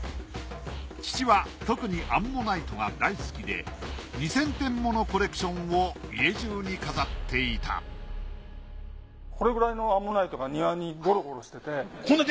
父は特にアンモナイトが大好きで２，０００点ものコレクションを家じゅうに飾っていたこれくらいのアンモナイトが庭にゴロゴロしてて。